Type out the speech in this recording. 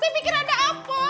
saya pikir ada apaan